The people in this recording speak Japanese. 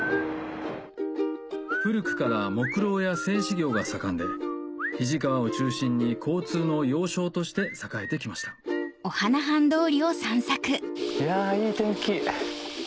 古くから木蝋や製糸業が盛んで肱川を中心に交通の要衝として栄えて来ましたいやいい天気。